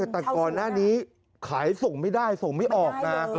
แต่ก่อนหน้านี้ขายส่งไม่ได้ส่งไม่ออกนะ